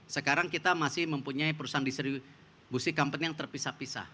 sekarang kita masih mempunyai perusahaan distribusi company yang terpisah pisah